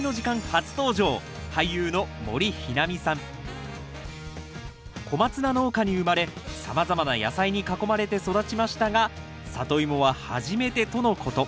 初登場コマツナ農家に生まれさまざまな野菜に囲まれて育ちましたがサトイモは初めてとのこと。